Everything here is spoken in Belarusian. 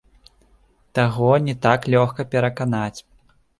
Таго не так лёгка пераканаць.